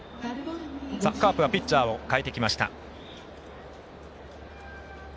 カープはピッチャーを代えてきました。